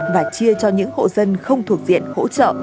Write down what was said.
và chia cho những hộ dân không thuộc diện hỗ trợ